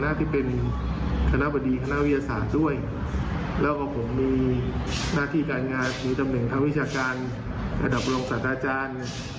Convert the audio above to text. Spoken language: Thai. กระเทียบกว่าระดับ๙ซึ่งคุณชมพันต์กล่าวหาผมแบบนี้ไม่ได้